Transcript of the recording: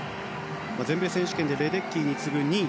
全米選手権でレデッキーに次ぐ２位。